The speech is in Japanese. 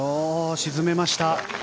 沈めました。